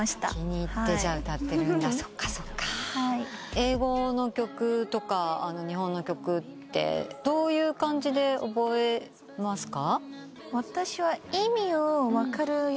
英語の曲とか日本の曲ってどういう感じで覚えますか？